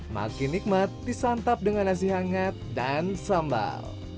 makin nikmat disantap dengan nasi hangat dan sambal